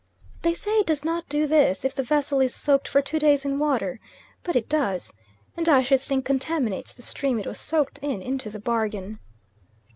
They say it does not do this if the vessel is soaked for two days in water, but it does, and I should think contaminates the stream it was soaked in into the bargain.